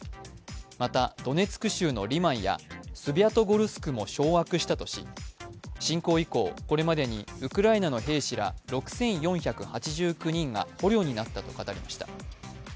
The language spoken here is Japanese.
また、ドネツク州のリマンやスビャトゴルスクも掌握したとし、侵攻以降、これまでにウクライナの兵士ら６４８９人が捕虜になったと語りました。